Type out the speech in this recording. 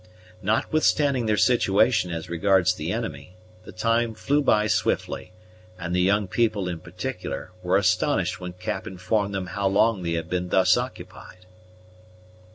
Notwithstanding their situation as regards the enemy, the time flew by swiftly, and the young people, in particular, were astonished when Cap informed them how long they had been thus occupied.